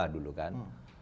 dua ribu dua dulu kan